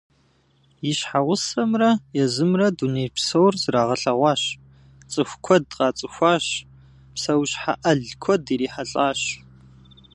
И щхьэгъусэмрэ езымрэ дуней псор зрагъэлъэгъуащ, цӏыху куэд къацӏыхуащ, псэущхьэ ӏэл куэд ирихьэлӏащ.